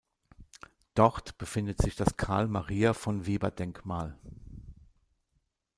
Dort befindet sich das Carl-Maria-von-Weber-Denkmal.